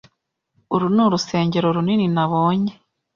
Uru ni urusengero runini nabonye.